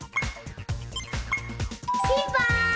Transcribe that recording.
ピンポーン！